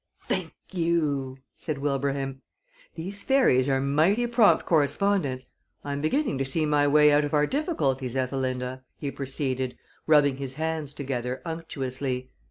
"Thank you!" said Wilbraham. "These fairies are mighty prompt correspondents. I am beginning to see my way out of our difficulties, Ethelinda," he proceeded, rubbing his hands together unctuously.